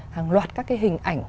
hàng loạt các cái hình ảnh